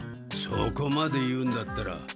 そこまで言うんだったら。